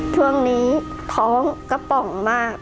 ช่วงนี้ท้องกระป๋องมาก